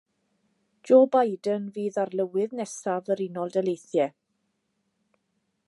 Joe Biden fydd arlywydd nesaf yr Unol Daleithiau.